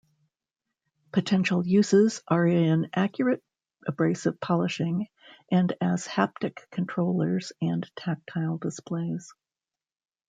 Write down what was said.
Potential uses are in accurate abrasive polishing and as haptic controllers and tactile displays.